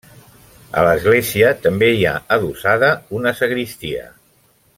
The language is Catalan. A l'església també hi ha adossada una sagristia.